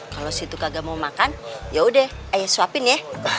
kalo situ kagak mau makan yaudah ayo suapin ye